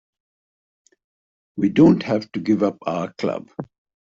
We don't have to give up our club.